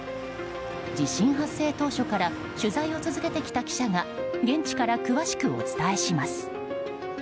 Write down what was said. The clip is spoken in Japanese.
地震発生当初から取材を続けてきた記者が現地から詳しくお伝えします。